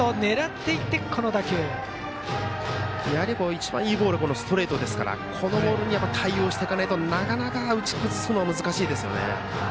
一番いいボールはストレートなのでこのボールに対応しないと打ち崩すのは難しいですよね。